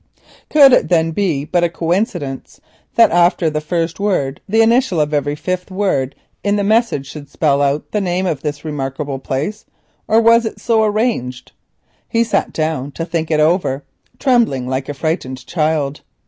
Could it then be but a coincidence that after the first word the initial of every fifth word in the message should spell out the name of this remarkable place, or was it so arranged? He sat down to think it over, trembling like a frightened child.